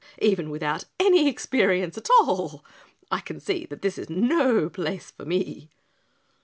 Even without any experience at all, I can see that this is no place for me."